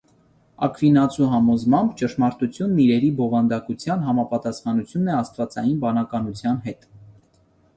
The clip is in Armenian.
Աքվինացու համոզմամբ՝ ճշմարտությունն իրերի բովանդակության համապատասխանությունն է աստվածային բանականության հետ։